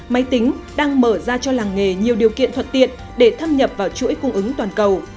máy tính đang mở ra cho làng nghề nhiều điều kiện thuận tiện để thâm nhập vào chuỗi cung ứng toàn cầu